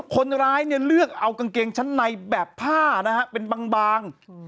คนร้ายเนี่ยเลือกเอากางเกงชั้นในแบบผ้านะฮะเป็นบาง